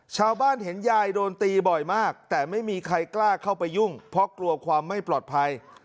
ชาวบ้านเห็นยายโดนตีบ่อยมากแต่ไม่มีใครกล้าเข้าไปยุ่งเพราะกลัวความไม่ปลอดภัย